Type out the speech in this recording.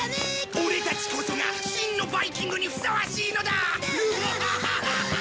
オレたちこそが真のバイキングにふさわしいのだ！